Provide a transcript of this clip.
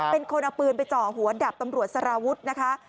เป็นคนเอาปืนไปจ่อหัวดับตำรวจสารวุฒินะคะ